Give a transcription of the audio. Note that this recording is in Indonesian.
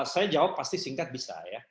saya jawab pasti singkat bisa ya